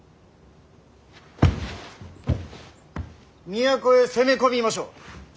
都へ攻め込みましょう。